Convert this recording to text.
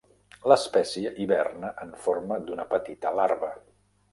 L'espècie hiberna en forma d'una petita larva.